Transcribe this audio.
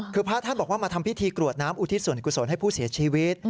คือพระท่านบอกว่ามาทำพิธีกรวดน้ำอุทิศส่วนกุศลให้ผู้เสียชีวิต